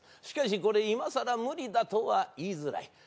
しかしこれ今更無理だとは言いづらい。